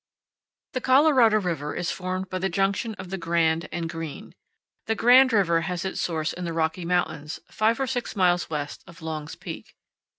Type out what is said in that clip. THE Colorado River is formed by the junction of the Grand and Green. The Grand River has its source in the Rocky Mountains, five or six miles west of Long's Peak.